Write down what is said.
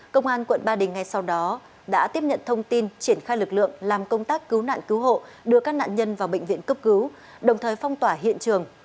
công an quận ba đình ngay sau đó đã tiếp nhận thông tin triển khai lực lượng làm công tác cứu nạn cứu hộ đưa các nạn nhân vào bệnh viện cấp cứu đồng thời phong tỏa hiện trường